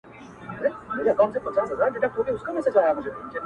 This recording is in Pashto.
و څښتن د سپي ته ورغله په قار سوه.